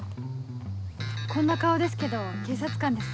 こんな顔ですけど警察官です。